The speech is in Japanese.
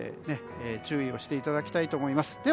注意をしていただきたいと思います。